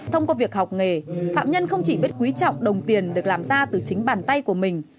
thông qua việc học nghề phạm nhân không chỉ biết quý trọng đồng tiền được làm ra từ chính bàn tay của mình